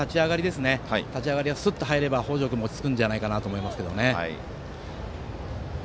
立ち上がり、スッと入れば北條君も落ち着くんじゃないかと思いますけどね。